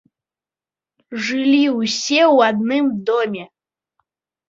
Жылі ўсе ў адным доме.